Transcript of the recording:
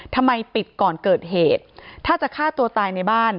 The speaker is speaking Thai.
ทำไมปิดก่อนเกิดเหตุถ้าจะฆ่าตัวตายในบ้าน